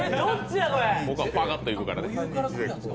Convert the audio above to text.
僕はパカッといくからね。